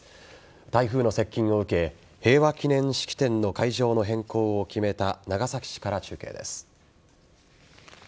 台風の接近を受け平和祈念式典の会場の変更を決めた長崎市から中継です。